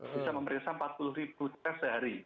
bisa memeriksa empat puluh ribu tes sehari